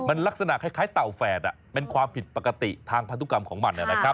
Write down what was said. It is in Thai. มันลักษณะคล้ายเต่าแฝดเป็นความผิดปกติทางพันธุกรรมของมันนะครับ